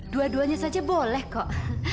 dua duanya saja boleh kok